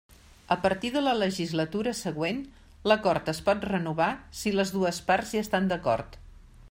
A partir de la legislatura següent, l'Acord es pot renovar si les dues parts hi estan d'acord.